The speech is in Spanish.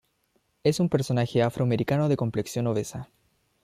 Es un personaje afroamericano de complexión obesa.